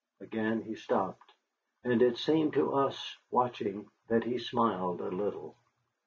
Again he stopped, and it seemed to us watching that he smiled a little.